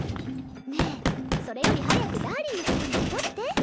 ねえそれより早くダーリンのとこに戻って。